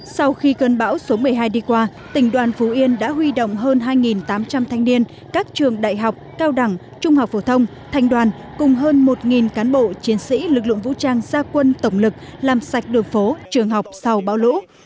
sau khi cơn bão số một mươi hai đi qua tỉnh đoàn phú yên đã huy động hơn hai tám trăm linh thanh niên các trường đại học cao đẳng trung học phổ thông thành đoàn cùng hơn một cán bộ chiến sĩ lực lượng vũ trang gia quân tổng lực làm sạch đường phố trường học sau bão lũ